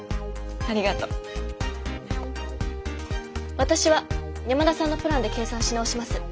私は山田さんのプランで計算し直します。